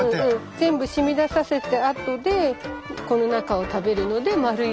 全部染みださせたあとでこの中を食べるので丸い穴があくんです。